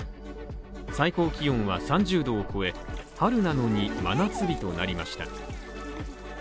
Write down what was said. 最高気温は３０度を超え、春なのに真夏日となりました。